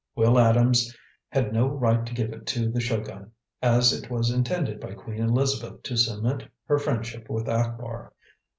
Will Adams had no right to give it to the Shogun, as it was intended by Queen Elizabeth to cement her friendship with Akbar.